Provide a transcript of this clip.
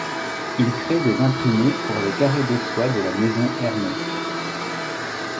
Il crée des imprimés pour les carrés de soie de la maison Hermès.